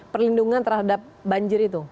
perlindungan terhadap banjir itu